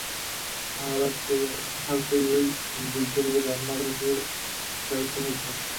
আহার করিয়াই বৈকালের রান্না চড়াইতে যাইতে হইত।